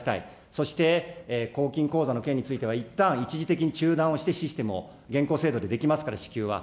そして公金口座の件についてはいったん、一時的に中断をしてをシステムを現行制度でできますから、支給は。